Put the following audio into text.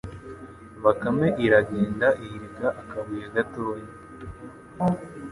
Bakame iragenda ihirika akabuye gatoya